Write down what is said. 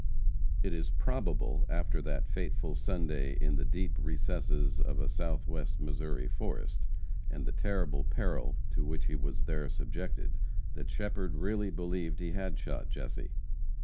It is probable after that fateful Sunday in the deep recesses of a Southwest Missouri forest, and the terrible peril to which he was there subjected, that Shepherd really believed he had shot Jesse.